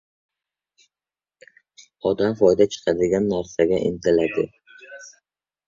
• Odam foyda chiqadigan narsaga intiladi.